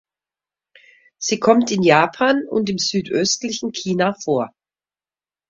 Sie kommt in Japan und im südöstlichen China vor.